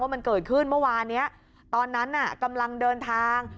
มันเกิดขึ้นเมื่อวานนี้ตอนนั้นน่ะกำลังเดินทาง